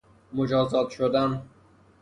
مجازات شدن